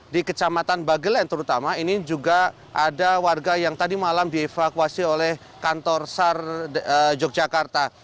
di kecamatan bagelen terutama ini juga ada warga yang tadi malam dievakuasi oleh kantor sar yogyakarta